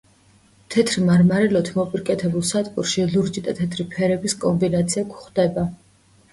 თეთრი მარმარილოთი მოპირკეთებულ სადგურში ლურჯი და თეთრი ფერების კომბინაცია გვხვდება.